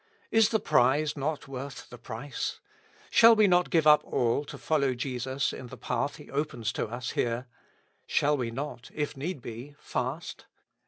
Is the prize not worth the price ? Shall we not give up all to follow Jesus in the path He opens to us here ; shall we not, if need be, fast